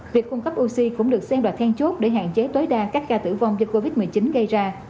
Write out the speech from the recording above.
việc cung cấp oxy cũng được xem là then chốt để hạn chế tối đa các ca tử vong do covid một mươi chín gây ra